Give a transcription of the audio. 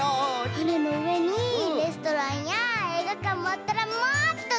ふねのうえにレストランやえいがかんもあったらもっとたのしそう！